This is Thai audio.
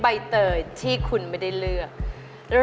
ใบเตยที่คุณไม่ได้เลือก